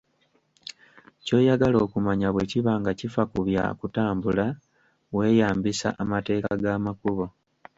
Ky'oyagala okumanya bwe kiba nga kifa ku bya kutambula, weeyambisa amateeka g'amakubo.